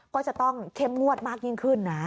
ก็จะต้องเข้มงวดมากยิ่งขึ้นนะ